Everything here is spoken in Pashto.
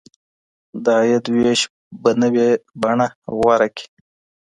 د عاید وېش به نوې بڼه غوره کړي.